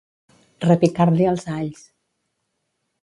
Repicar-li els alls.